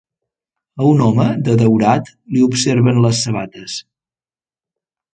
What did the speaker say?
A un home de daurat li observen les sabates.